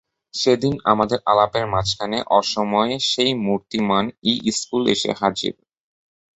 সেদিন আমাদের আলাপের মাঝখানে অসময়ে সেই মূর্তিমান ইস্কুল এসে হাজির।